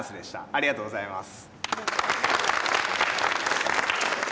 ありがとうございます。